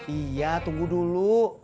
iya tunggu dulu